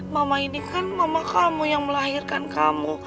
mama ini kan mama kamu yang melahirkan kamu